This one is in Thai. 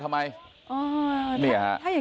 สวัสดีครับทุกคน